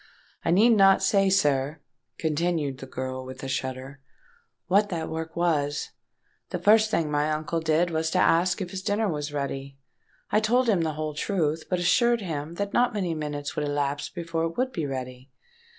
I need not say, sir," continued the girl, with a shudder, "what that work was. The first thing my uncle did was to ask if his dinner was ready? I told him the whole truth, but assured him that not many minutes would elapse before it would be ready.